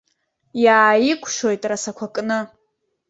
Иааикәшоит расақәа кны.